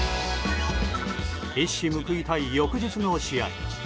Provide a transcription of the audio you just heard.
一矢報いたい翌日の試合。